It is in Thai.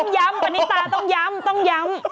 ย้ำปานิตาต้องย้ำ